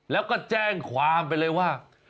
แล้วก็แจ้งความไปเลยว่า